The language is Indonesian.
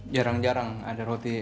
jarang jarang ada roti